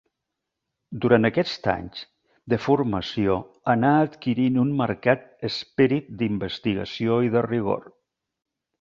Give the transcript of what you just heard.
Durant aquests anys de formació anà adquirint un marcat esperit d'investigació i de rigor.